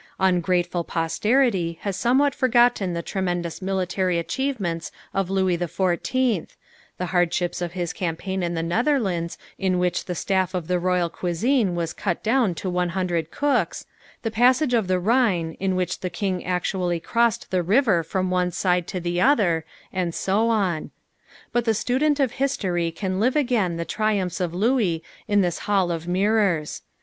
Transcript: Ungrateful posterity has somewhat forgotten the tremendous military achievements of Louis XIV the hardships of his campaign in the Netherlands in which the staff of the royal cuisine was cut down to one hundred cooks the passage of the Rhine, in which the King actually crossed the river from one side to the other, and so on. But the student of history can live again the triumphs of Louis in this Hall of Mirrors.